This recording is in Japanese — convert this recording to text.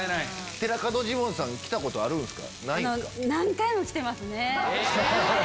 寺門ジモンさん来たことあるんすか？